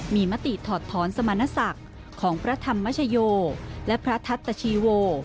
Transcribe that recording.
มีมติถอดถอนสมณศักดิ์ของพระธรรมชโยและพระทัตตชีโว